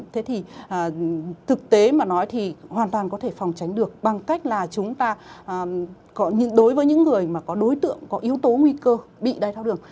thế thì thực tế mà nói thì hoàn toàn có thể phòng tránh được bằng cách là chúng ta đối với những người mà có đối tượng có yếu tố nguy cơ bị đai thao đường